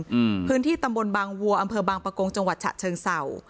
อืมพื้นที่ตำบลบางวัวอำเภอบางประกงจังหวัดฉะเชิงเศร้า